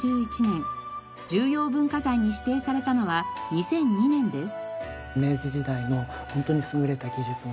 重要文化財に指定されたのは２００２年です。